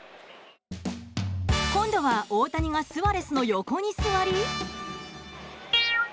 今度は大谷がスアレスの横に座り。